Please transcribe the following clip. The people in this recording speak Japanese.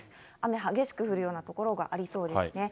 雨、激しく降るような所がありそうですね。